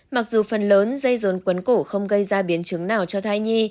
mặc dù phần lớn dây rốn cuốn cổ không gây ra biến chứng nào cho thai nhi